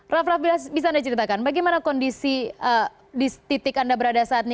raff raff bisa anda ceritakan bagaimana kondisi di titik anda berada saat ini